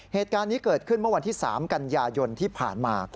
เหตุการณ์นี้เกิดขึ้นเมื่อวันที่๓กันยายนที่ผ่านมา